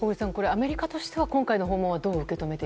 アメリカとしては今回の訪問